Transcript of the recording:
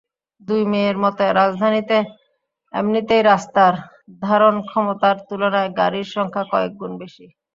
দুই মেয়রের মতে, রাজধানীতে এমনিতেই রাস্তার ধারণক্ষমতার তুলনায় গাড়ির সংখ্যা কয়েক গুণ বেশি।